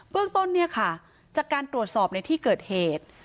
เรื่องต้นเนี่ยค่ะจากการตรวจสอบในที่เกิดเหตุ